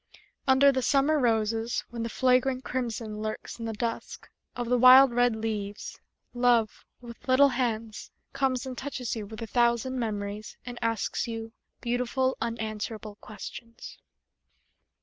Under the summer roses When the flagrant crimson Lurks in the dusk Of the wild red leaves, Love, with little hands, Comes and touches you With a thousand memories, And asks you Beautiful, unanswerable questions.